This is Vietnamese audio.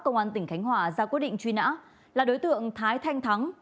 công an tỉnh khánh hòa ra quyết định truy nã là đối tượng thái thanh thắng